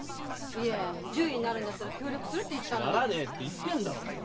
いえ獣医になるんだったら協力するって言ったの。ならねえって言ってんだろ！